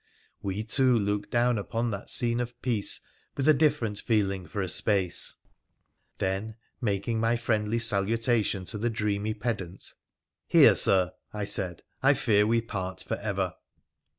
We two looked down upon that scene of peace with different feeling for a space, then, making my friendly saluta tion to the dreamy pedant, ' Here, Sir,' I said, ' I fear we part for ever.'